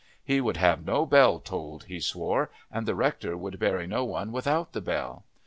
He would have no bell tolled, he swore, and the rector would bury no one without the bell.